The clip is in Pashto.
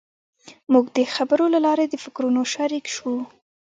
موږ د خبرو له لارې د فکرونو شریک شوو.